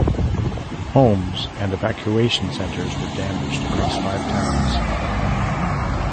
Homes and evacuation centers were damaged across five towns.